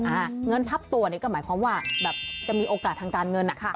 เงินทับตัวนี่ก็หมายความว่าแบบจะมีโอกาสทางการเงินอ่ะ